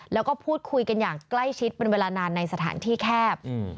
แล้วก็พูดคุยกันอย่างใกล้ชิดเป็นเวลานานในสถานที่แคบ